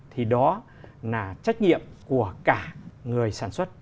thì đó là trách nhiệm của cả người sản xuất